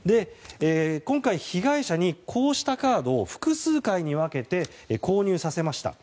今回、被害者にこうしたカードを複数回に分けて購入させました。